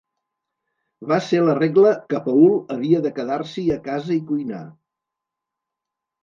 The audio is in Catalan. Va ser la regla que Paul havia de quedar-s'hi a casa i cuinar.